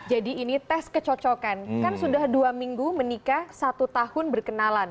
ini tes kecocokan kan sudah dua minggu menikah satu tahun berkenalan